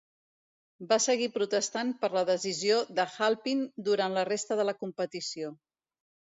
Va seguir protestant per la decisió de Halpin durant la resta de la competició.